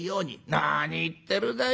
「何言ってるだよ